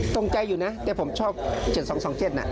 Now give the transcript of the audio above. ตรงใจอยู่นะแต่ผมชอบ๗๒๒๗น่ะ